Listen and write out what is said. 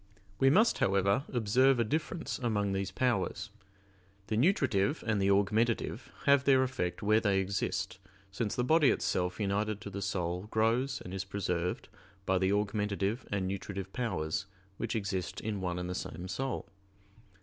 We must, however, observe a difference among these powers. The nutritive and the augmentative have their effect where they exist, since the body itself united to the soul grows and is preserved by the augmentative and nutritive powers which exist in one and the same soul.